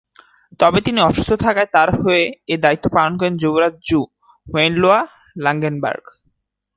তবে তিনি অসুস্থ থাকায় তাঁর হয়ে এ দায়িত্ব পালন করেন যুবরাজ জু হোয়েনলোয়া-ল্যাঙ্গেনবার্গ।